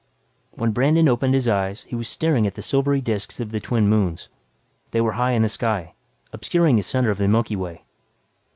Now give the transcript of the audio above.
When Brandon opened his eyes he was staring at the silvery disks of the twin moons. They were high in the sky, obscuring the center of the Milky Way.